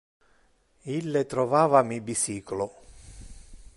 Ille trovava mi bicyclo.